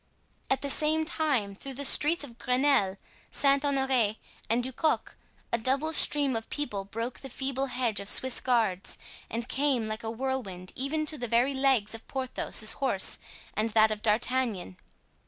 At the same time through the streets of Grenelle, Saint Honore, and Du Coq, a double stream of people broke the feeble hedge of Swiss guards and came like a whirlwind even to the very legs of Porthos's horse and that of D'Artagnan.